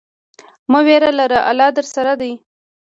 مه ویره لره، الله درسره دی.